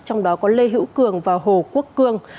trong đó có lê hữu cường và hồ quốc cương